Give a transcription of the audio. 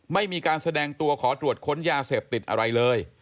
ไม่มีการแสดงตัวขอตรวจค้นยาเสพติดอะไรเลย